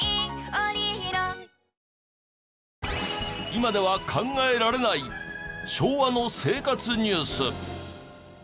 今では考えられない昭和の生活ニュース。